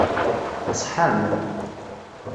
Tṣeḥḥam?